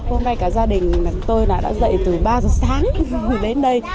hôm nay cả gia đình tôi đã dậy từ ba giờ sáng đến đây